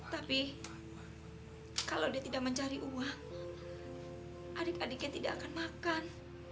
tapi kalau dia tidak mencari uang adik adiknya tidak akan makan